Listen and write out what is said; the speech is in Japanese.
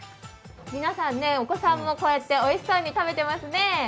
皆さん、お子さんもこうやっておいしそうに食べてますね。